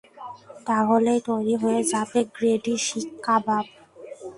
তাহলেই তৈরি হয়ে যাবে গ্রেভি শিক কাবাব।